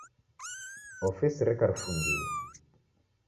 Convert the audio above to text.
Ofisi reka rifungilo.